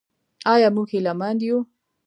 آیا موږ هیله مند یو؟